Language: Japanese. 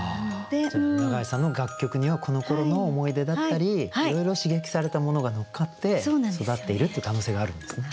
永井さんの楽曲にはこのころの思い出だったりいろいろ刺激されたものが乗っかって育っているっていう可能性があるんですね。